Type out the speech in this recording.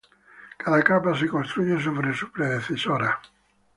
Cada capa se construye sobre su predecesora.